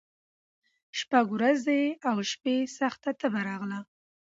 شپږ ورځي او شپي سخته تبه راغله